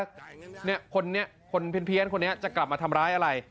คนโผล่กนี้คนเพียรจะกลับมาทำร้ายอะไร